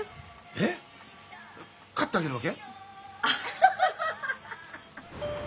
えっ買ってあげるわけ？